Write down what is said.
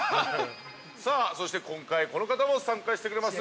さあ、そして今回この方も参加してくれます。